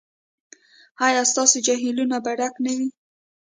ایا ستاسو جهیلونه به ډک نه وي؟